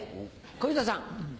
小遊三さん。